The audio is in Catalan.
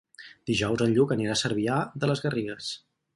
Dijous en Lluc anirà a Cervià de les Garrigues.